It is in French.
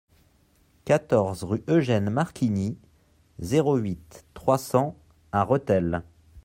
quatorze rue Eugène Marquigny, zéro huit, trois cents à Rethel